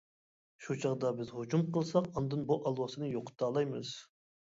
شۇ چاغدا بىز ھۇجۇم قىلساق ئاندىن بۇ ئالۋاستىنى يوقىتالايمىز.